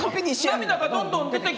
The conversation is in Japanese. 涙がどんどん出てきたぞ。